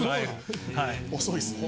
・遅いっすね・